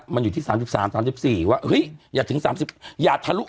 มันอยู่ที่๓๓๓๔ว่าเฮ้ยอย่าถลุ๓๕